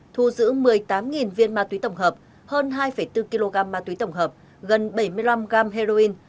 thu giữ một mươi tám viên ma túy tổng hợp hơn hai bốn kg ma túy tổng hợp gần bảy mươi năm gram heroin